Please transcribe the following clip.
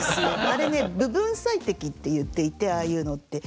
あれね部分最適って言っていてああいうのって。